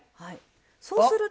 そうすると。